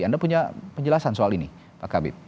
anda punya penjelasan soal ini pak kabit